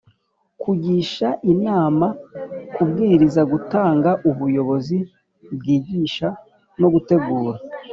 kugisha inama, kubwiriza, gutanga ubuyobozi, kwigisha no gutegura